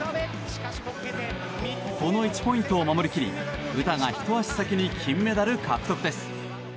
この１ポイントを守り切り詩がひと足先に金メダル、獲得です。